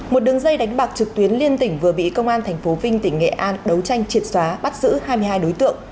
một đường dây đánh bạc trực tuyến liên tỉnh vừa bị công an tp vinh tỉnh nghệ an đấu tranh triệt xóa bắt giữ hai mươi hai đối tượng